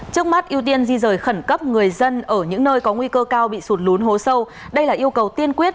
trước mắt ưu tiên di rời khẩn cấp người dân ở những nơi có nguy cơ cao bị sụt lún hố sâu đây là yêu cầu tiên quyết